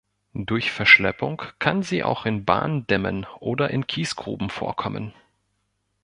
Durch Verschleppung kann sie auch an Bahndämmen oder in Kiesgruben vorkommen.